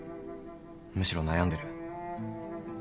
むしろ悩んでる。